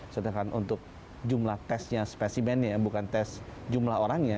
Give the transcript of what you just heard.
sedangkan untuk jumlah testnya spesimennya bukan test jumlah orangnya